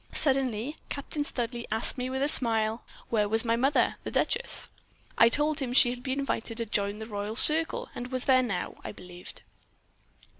Suddenly Captain Studleigh asked me, with a smile, where was my mother, the duchess. I told him she had been invited to join the royal circle, and was there now, I believed.